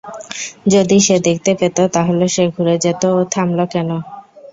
যদি সে দেখতে পেত, তাহলে সে ঘুরে যেত, ও থামলো কেন?